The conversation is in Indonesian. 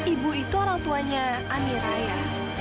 ibu itu orang tuanya amiraya